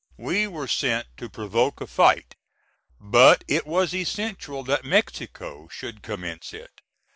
We were sent to provoke a fight, but it was essential that Mexico should commence it.